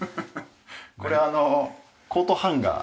これあのコートハンガーとか。